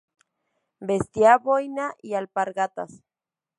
Vestía boina y alpargatas.